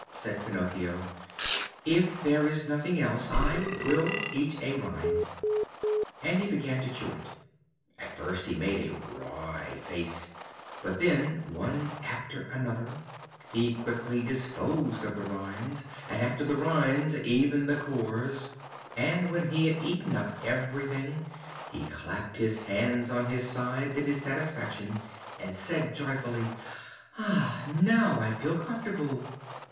said Pinocchio; "if there is nothing else I will eat a rind." And he began to chew it. At first he made a wry face, but then one after another he quickly disposed of the rinds: and after the rinds even the cores, and when he had eaten up everything he clapped his hands on his sides in his satisfaction and said joyfully: "Ah! now I feel comfortable."